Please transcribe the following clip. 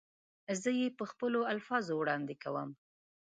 زه یې په خپلو الفاظو وړاندې کوم.